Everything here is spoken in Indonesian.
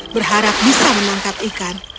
berharap bisa menangkap ikan